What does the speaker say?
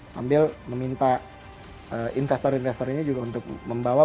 sambil meminta investor investor ini untuk membawa